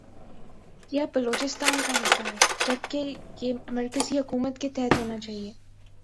یہ اب بلوچستان کا حصہ ھے جبکہ یہ مرکزی حکومت کے تحت ھوناچاھیے۔